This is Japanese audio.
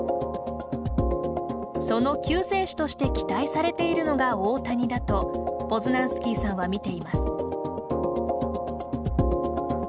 その救世主として期待されているのが大谷だとポズナンスキーさんは見ています。